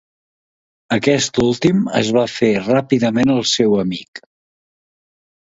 Aquest últim es va fer ràpidament el seu amic.